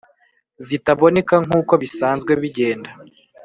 zitaboneka nkuko bisanzwe bigenda